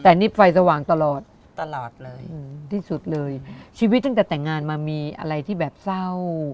แต่นี่ไฟสว่างตลอดตลอดเลยที่สุดเลยชีวิตตั้งแต่แต่งงานมามีอะไรที่แบบเศร้า